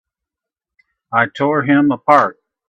I tore him apart!